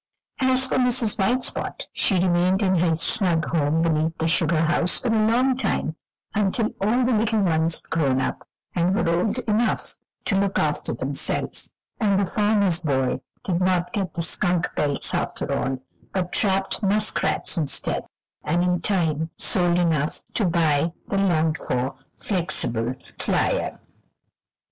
As for Mrs. White Spot, she remained in her snug home beneath the sugar house for a long time, until all the little ones had grown up and were old enough to look after themselves, and the farmer's boy did not get the skunk pelts after all, but trapped muskrats instead, and in time sold enough to buy the longed for Flexible Flyer.